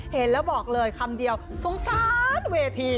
เห็นแล้วบอกเลยคำเดียวสงสารเวที